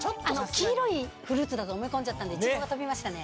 黄色いフルーツだと思い込んじゃったんでいちごが飛びましたね。